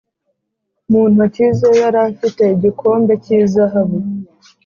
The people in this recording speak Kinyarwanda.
mu intoki ze yari afite igikombe cy’izahabu